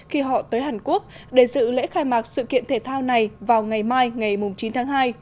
khi họ tới hàn quốc để dự lễ khai mạc sự kiện thể thao này vào ngày mai ngày chín tháng hai